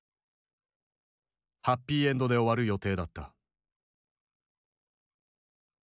ハッピーエンドで終わる予定だった。